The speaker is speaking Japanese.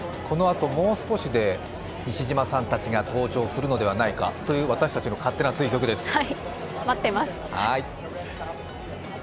このあと、もう少しで西島さんたちが登場するのではないかという私たちの勝手な推測です。